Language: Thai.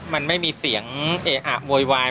มันไม่มีเสียงเออะโวยวาย